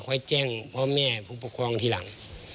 ค่อยแจ้งพ่อแม่ผู้ปกครองทีหลัง